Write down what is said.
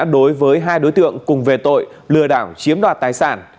đối với hai đối tượng cùng về tội lừa đảo chiếm đoạt tài sản